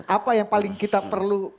apa yang paling kita perlu